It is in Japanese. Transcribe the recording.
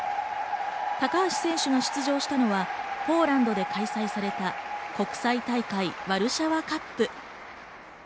高橋選手が出場したのはポーランドで開催された国際大会ワルシャワカップ。